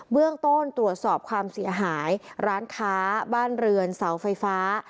เรื่องต้นตรวจสอบความเสียหายร้านค้าบ้านเรือนเสาไฟฟ้า